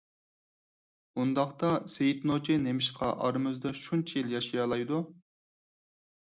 ئۇنداقتا سېيىت نوچى نېمىشقا ئارىمىزدا شۇنچە يىل ياشىيالايدۇ؟